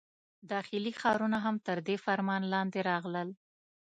داخلي ښارونه هم تر دې فرمان لاندې راغلل.